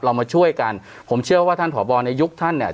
เรามาช่วยกันผมเชื่อว่าท่านผอบอในยุคท่านเนี่ย